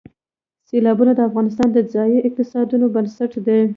سیلابونه د افغانستان د ځایي اقتصادونو بنسټ دی.